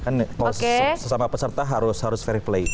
kan host sesama peserta harus fair play